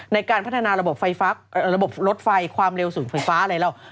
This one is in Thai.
ในการพัฒนาระบบลดไฟความเร็วสูงไฟฟ้าอะไรแล้ว